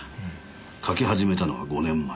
書き始めたのは５年前。